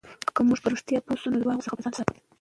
که موږ په رښتیا پوه شو، نو د درواغو څخه به ځان ساتو.